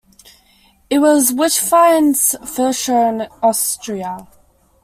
It was Witchfynde's first show in Austria.